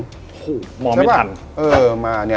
โอ้โหมองไม่ทัน